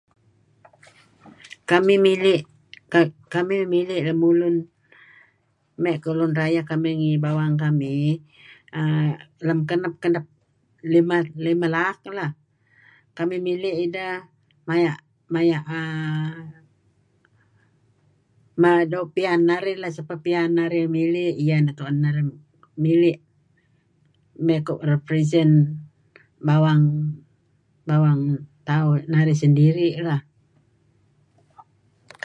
Kamih mili' kamih mili' lemulun may kuh lun rayeh kamih ngi lem bawang kamih uhm lem kenep-kenep limah laak lah. Kamih mili' ideh la' maya' uhm doo' piyan narih la' sapeh piyan narih tuen mili' iyeh neh tuen naih mili' may kuh represent ngan bawang tauh narih sendiri' lah.